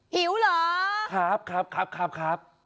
หิวเหรอครับครับครับครับครับ